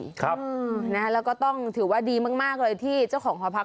นี่ครับนะครับแล้วก็ต้องถือว่าดีมากเลยที่เจ้าของคอพัก